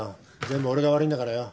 全部俺が悪いんだからよ。